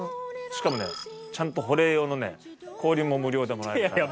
しかもねちゃんと保冷用のね氷も無料でもらえるから。